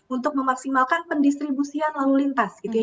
untuk memaksimalkan pendistribusian lalu lintas gitu ya